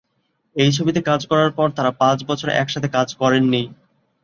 এই ছবিতে কাজ করার পর তারা পাঁচ বছর একসাথে কাজ করেন নি।